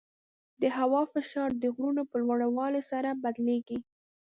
د هوا فشار د غرونو په لوړوالي سره بدلېږي.